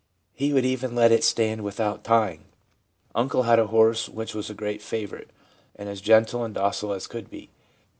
He would even let it stand without tying.' ' Uncle had a horse which was a great favourite, and as gentle and docile as could be.